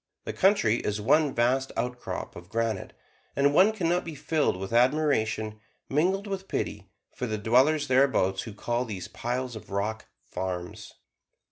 The country is one vast outcrop of granite; and one can not but be filled with admiration, mingled with pity, for the dwellers thereabouts who call these piles of rock "farms."